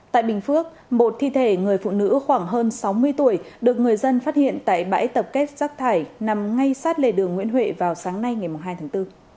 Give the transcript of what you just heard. tại bình phước một thi thể người phụ nữ khoảng hơn sáu mươi tuổi được người dân phát hiện tại bãi tập kết rác thải nằm ngay sát lề đường nguyễn huệ vào sáng nay ngày hai tháng bốn